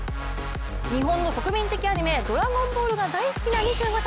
日本の国民的アニメ「ドラゴンボール」が大好きな２５歳。